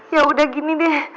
ya udah gini deh